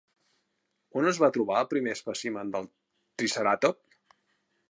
On es va trobar el primer espècimen de triceratop?